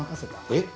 えっ？